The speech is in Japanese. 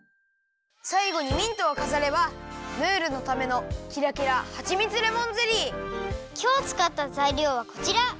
さいごにミントをかざればムールのためのきょうつかったざいりょうはこちら！